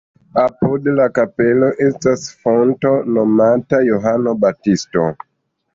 Apud la kapelo estas fonto nomata Johano Baptisto.